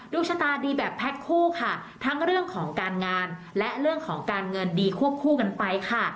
ชะตาดีแบบแพ็คคู่ค่ะทั้งเรื่องของการงานและเรื่องของการเงินดีควบคู่กันไปค่ะ